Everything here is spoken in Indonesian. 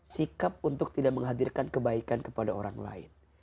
sikap untuk tidak menghadirkan kebaikan kepada orang lain